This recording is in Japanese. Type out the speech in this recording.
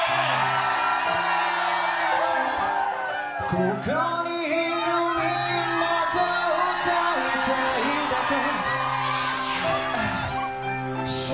ここにいるみんなと歌いたいだけ。